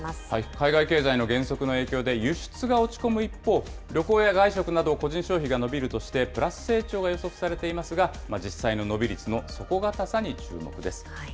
海外経済の減速の影響で、輸出が落ち込む一方、旅行や外食など、個人消費が伸びるとして、プラス成長が予測されていますが、実際の伸び率の底堅さに注目です。